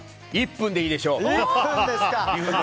１分でいいでしょう。